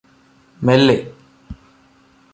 മെല്ലെ